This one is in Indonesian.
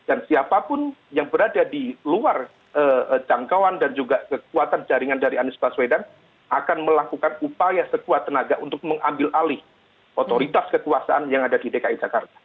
dan siapapun yang berada di luar jangkauan dan juga kekuatan jaringan dari anies baswedan akan melakukan upaya sekuat tenaga untuk mengambil alih otoritas kekuasaan yang ada di dki jakarta